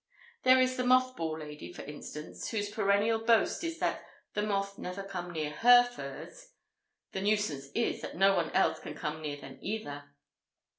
There is the moth ball lady, for instance, who's perennial boast is that the moth never come near her furs; the nuisance is that no one else can come near them either.